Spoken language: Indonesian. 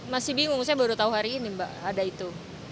masih bingung saya baru tahu hari ini mbak ada itu